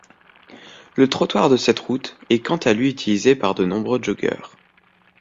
Le trottoir de cette route est quant à lui utilisé par de nombreux joggers.